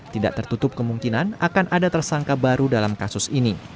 tidak tertutup kemungkinan akan ada tersangka baru dalam kasus ini